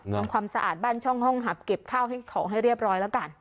ทำความสะอาดบ้านช่องห้องหับเก็บข้าวให้ของให้เรียบร้อยแล้วกัน